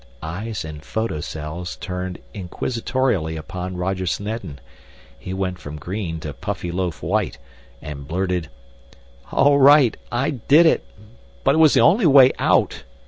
Eyes and photocells turned inquisitorially upon Roger Snedden. He went from green to Puffyloaf white and blurted: "All right, I did it, but it was the only way out!